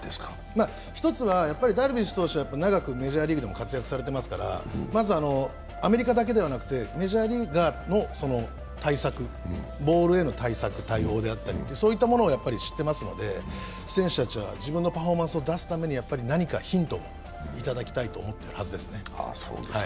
ダルビッシュ投手は長くメジャーリーグでも活躍されていますからまずアメリカだけではなくてメジャーリーガーの対策、ボールへの対策、対応であったりとかそういったことを知っていますので、選手たちは自分のパフォーマンスを出すために何かヒントをいただきたいと思っているはずですね。